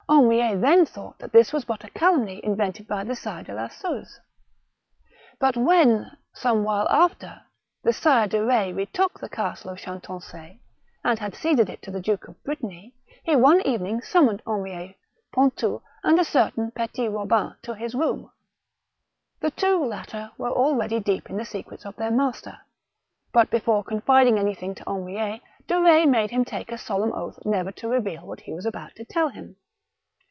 Henriet then thought that this was but a calumny invented by the Sire de la Suze. But when, some while after, the Sire de Retz retook the castle of Chantonce, and had ceded it to the Duke of Brittany, he one evening summoned Henriet, 218 THE BOOK OF WERE WOLVES. Pontou, and a certain Petit Robin to his room ; the two latter were already deep in the secrets of their master. But before confiding anything to Henriet, De Retz made him take a. solemn oath never to reveal what he was about to tell him.